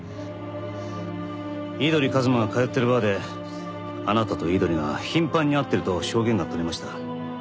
井鳥一馬が通っているバーであなたと井鳥が頻繁に会っていると証言が取れました。